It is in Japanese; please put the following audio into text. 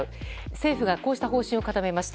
政府がこうした方針を固めました。